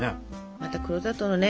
また黒砂糖のね